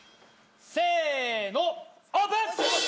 せのオープン！